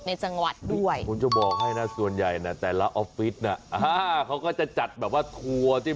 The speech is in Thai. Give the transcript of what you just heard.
แหวงบุญแบบเนี่ยทำไมคุณรู้ดิ